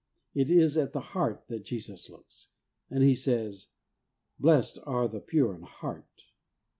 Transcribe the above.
It is at the heart that Jesus looks, and He says, ' Blessed are the pure in heart.